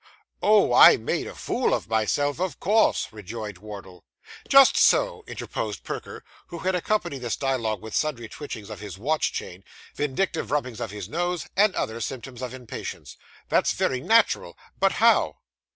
'Oh, I made a fool of myself of course,' rejoined Wardle. 'Just so,' interposed Perker, who had accompanied this dialogue with sundry twitchings of his watch chain, vindictive rubbings of his nose, and other symptoms of impatience. 'That's very natural; but how?